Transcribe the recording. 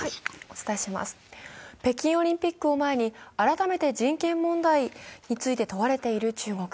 北京オリンピックを前に改めて人権問題について問われている中国。